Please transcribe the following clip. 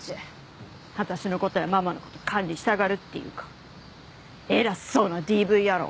私のことやママのこと管理したがるってい偉そうなＤＶ野郎